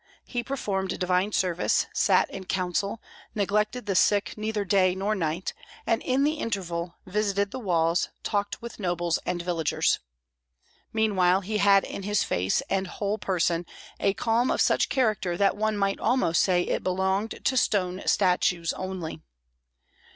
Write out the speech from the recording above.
He performed divine service, sat in council, neglected the sick neither day nor night, and in the interval visited the walls, talked with nobles and villagers. Meanwhile he had in his face and whole person a calm of such character that one might almost say it belonged to stone statues only.